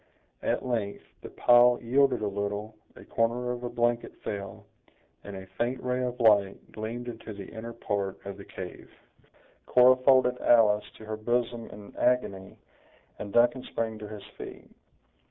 At length, the pile yielded a little, a corner of a blanket fell, and a faint ray of light gleamed into the inner part of the cave. Cora folded Alice to her bosom in agony, and Duncan sprang to his feet.